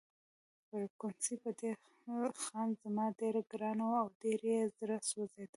فرګوسن پر دې خان زمان ډېره ګرانه وه او ډېر یې زړه سوځېده.